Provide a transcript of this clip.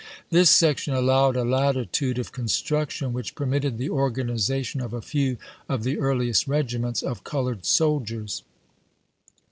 This section allowed a latitude of construction which permitted the organization of a few of the earliest regiments of colored soldiers.